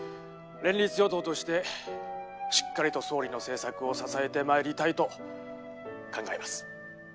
「連立与党としてしっかりと総理の政策を支えてまいりたいと考えます」